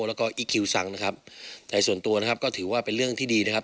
แล้วก็อีคคิวซังนะครับแต่ส่วนตัวนะครับก็ถือว่าเป็นเรื่องที่ดีนะครับ